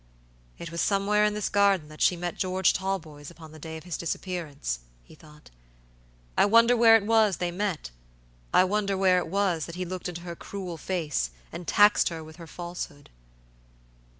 "It was somewhere in this garden that she met George Talboys upon the day of his disappearance," he thought. "I wonder where it was they met; I wonder where it was that he looked into her cruel face and taxed her with her falsehood?"